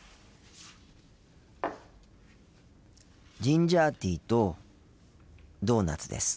ジンジャーティーとドーナツです。